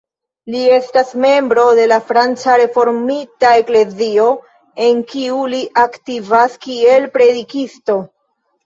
Li estas membro de la Franca Reformita Eklezio, en kiu li aktivas kiel predikisto.